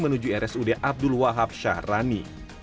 menuju rsud abdul wahab syahrani